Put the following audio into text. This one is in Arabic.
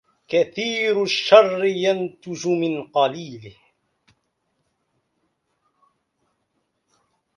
كثير الشر ينتج من قليله